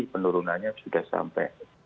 penurunannya sudah sampai